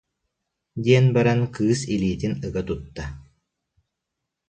диэн баран кыыс илиитин ыга тутта